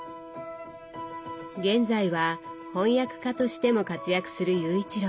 現在は翻訳家としても活躍する雄一郎さん。